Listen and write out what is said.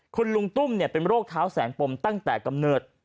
คุณลุงตุ้มเป็นโรคเท้าแสนปมตั้งแต่กำเนิด